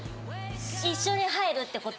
一緒に入るって事？